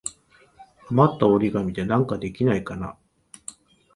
あまった折り紙でなんかできないかな。